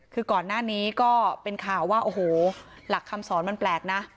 คือก่อนหน้านี้ก็เป็นข่าวว่าโอ้โหหลักคำสอนมันแปลกนะ